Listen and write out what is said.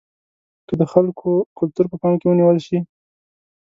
که د خلکو کلتور په پام کې ونیول شي.